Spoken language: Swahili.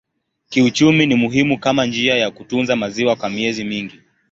Kiuchumi ni muhimu kama njia ya kutunza maziwa kwa miezi mingi.